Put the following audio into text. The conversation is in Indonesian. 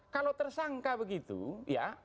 kalau tersangka begitu ya